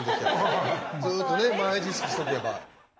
ずっとね毎日意識しとけば。